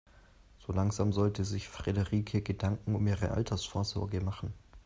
So langsam sollte sich Frederike Gedanken um ihre Altersvorsorge machen.